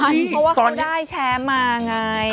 เพราะว่าเขาได้แชมป์มาไง